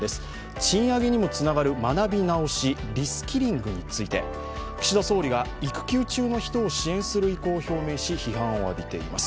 賃上げにもつながる学び直し＝リスキリングについて岸田総理が育休中の人を支援する意向を表明し批判を浴びています。